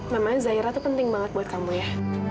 memangnya zahira isso penting banget buat kamu ya